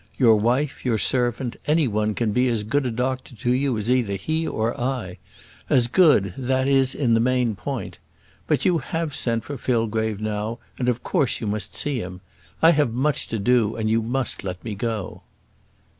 Your wife, your servant, any one can be as good a doctor to you as either he or I; as good, that is, in the main point. But you have sent for Fillgrave now; and of course you must see him. I have much to do, and you must let me go."